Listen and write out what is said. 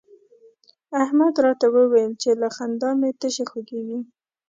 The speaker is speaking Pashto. احمد راته وويل چې له خندا مې تشي خوږېږي.